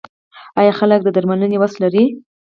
آیا خلک د درملنې وس لري؟